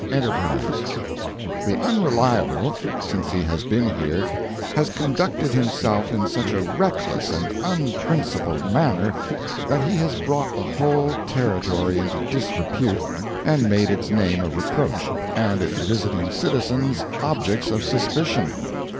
ENTERPRISE: The Unreliable, since he has been here, has conducted himself in such a reckless and unprincipled manner that he has brought the whole Territory into disrepute and made its name a reproach, and its visiting citizens objects of suspicion.